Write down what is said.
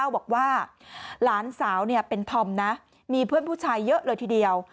บอกว่าหลานสาวเป็นธอมนะมีเพื่อนผู้ชายเยอะเลยทีเดียว